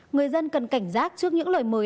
người dân cần cảnh giác trước những lời mời